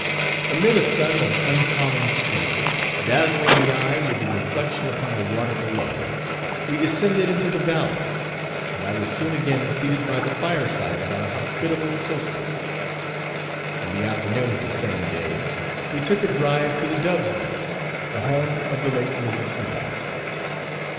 Amid a sun of uncommon splendour, dazzling the eye with the reflection upon the water below, we descended into the valley, and I was soon again seated by the fireside of our hospitable hostess. In the afternoon of the same day, we took a drive to the "Dove's Nest," the home of the late Mrs. Hemans.